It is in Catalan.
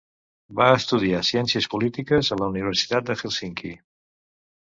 Va estudiar ciències polítiques a la Universitat de Hèlsinki.